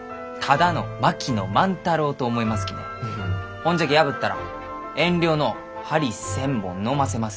ほんじゃき破ったら遠慮のう針千本のませます。